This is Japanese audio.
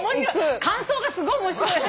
感想がすごい面白い。